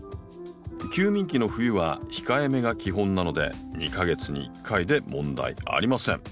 休眠期の冬は控えめが基本なので２か月に１回で問題ありません。